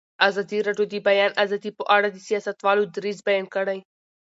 ازادي راډیو د د بیان آزادي په اړه د سیاستوالو دریځ بیان کړی.